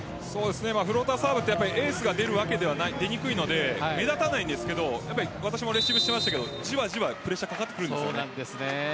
フローターサーブってエースが出にくいので目立たないんですけど私もレシーブしてましたがじわじわ、プレッシャーかかってくるんです。